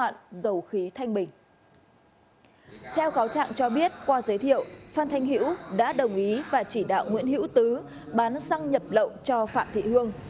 theo cáo trạng cho biết qua giới thiệu phan thanh hữu đã đồng ý và chỉ đạo nguyễn hữu tứ bán xăng nhập lậu cho phạm thị hương